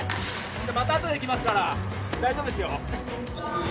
またあとで来ますから大丈夫ですよ